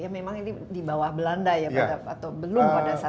ya memang ini di bawah belanda ya atau belum pada saat itu